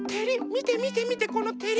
みてみてみてこのてり。